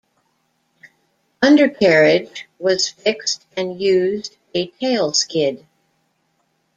Undercarriage was fixed and used a tailskid.